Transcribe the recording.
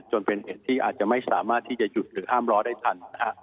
จนเป็นเหตุที่อาจจะไม่สามารถที่จะหยุดหรือห้ามล้อได้ทันนะฮะ